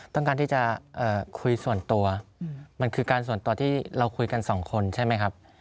ต้องการที่จะคุยส่วนตัวมันคือการส่วนตัวที่เราคุยกันสองคนใช่ไหมครับ